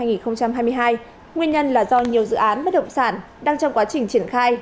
nguyên nhân là do nhiều dự án bất động sản đang trong quá trình triển khai